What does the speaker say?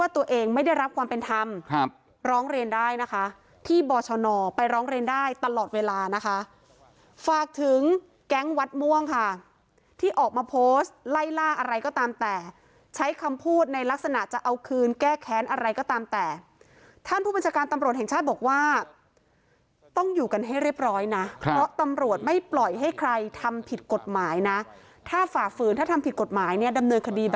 ที่บอชนไปร้องเรนได้ตลอดเวลานะคะฝากถึงแก๊งวัดม่วงค่ะที่ออกมาโพสต์ไล่ล่าอะไรก็ตามแต่ใช้คำพูดในลักษณะจะเอาคืนแก้แค้นอะไรก็ตามแต่ท่านผู้บัญชาการตำโปรดแห่งชาติบอกว่าต้องอยู่กันให้เรียบร้อยนะเพราะตำโปรดไม่ปล่อยให้ใครทำผิดกฎหมายนะถ้าฝากฝืนถ้าทำผิดกฎหมายเนี้ยด